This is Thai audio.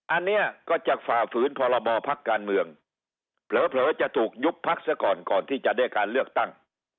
อันนี้ก็จะฝ่าฝืนพรบพักการเมืองเผลอจะถูกยุบพักเสียก่อนก่อนที่จะได้การเลือกตั้ง